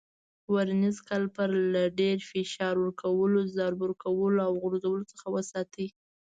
ورنیز کالیپر له ډېر فشار ورکولو، ضرب ورکولو او غورځولو څخه وساتئ.